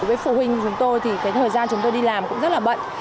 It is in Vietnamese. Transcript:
với phụ huynh chúng tôi thì cái thời gian chúng tôi đi làm cũng rất là bận